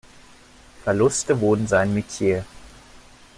Verluste wurden sein Metier.